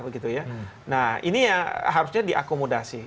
nah ini yang harusnya diakomodasi